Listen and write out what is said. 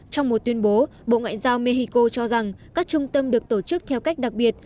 trong một tuyên bố bộ ngoại giao mexico cho rằng các trung tâm được tổ chức theo cách đặc biệt